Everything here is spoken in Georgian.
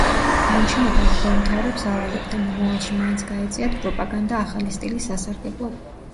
განჩინება მღვდელმთავრებს ავალებდა, მომავალში მაინც გაეწიათ პროპაგანდა ახალი სტილის სასარგებლოდ.